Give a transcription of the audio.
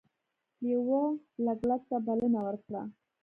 لیوه لګلګ ته بلنه ورکړه.